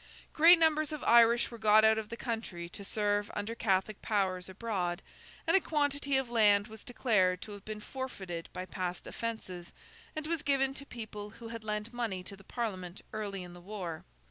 Great numbers of Irish were got out of the country to serve under Catholic powers abroad, and a quantity of land was declared to have been forfeited by past offences, and was given to people who had lent money to the Parliament early in the war.